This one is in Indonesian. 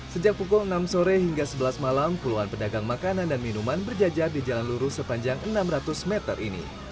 sejak pukul enam sore hingga sebelas malam puluhan pedagang makanan dan minuman berjajar di jalan lurus sepanjang enam ratus meter ini